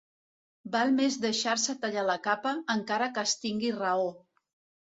Val més deixar-se tallar la capa, encara que es tingui raó.